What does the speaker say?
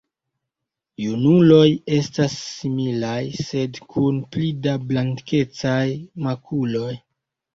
Junuloj estas similaj sed kun pli da blankecaj makuloj.